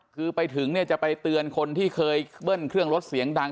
คือไปถึงเนี่ยจะไปเตือนคนที่เคยเบิ้ลเครื่องรถเสียงดัง